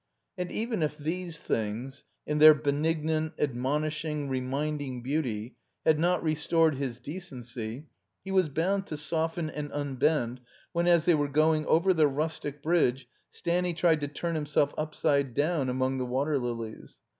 And even if these things, in their benignant, ad monishing, reminding beauty, had not restored his decency, he was botmd to soften and tmbend, when, as they were going over the rustic bridge, Stanny tried to turn himself upside down among the water lilies.